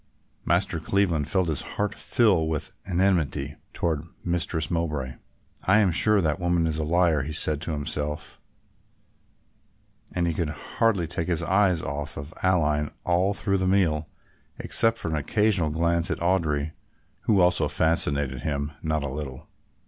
Master Cleveland felt his heart fill with enmity toward Mistress Mowbray. "I am sure that woman is a liar," he said to himself, and he could hardly take his eyes off Aline all through the meal, except for an occasional glance at Audry, who also fascinated him not a little.